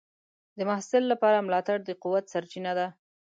د محصل لپاره ملاتړ د قوت سرچینه ده.